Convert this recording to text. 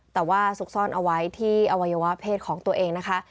แต่ว่าซุกซ่อนเอาไว้ที่อวัยวะเพศของตัวเองนะคะ